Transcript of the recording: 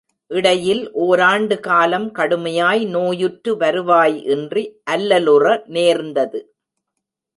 இடையில் ஒராண்டு காலம் கடுமையாய் நோயுற்று வருவாய் இன்றி அல்லலுற நேர்ந்தது.